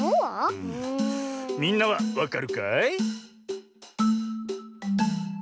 みんなはわかるかい？